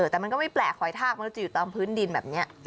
แต่มันก็ไม่แปลกหอยทากมันจะอยู่ตามพื้นดินแบบนี้